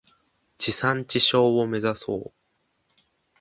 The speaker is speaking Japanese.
地産地消を目指そう。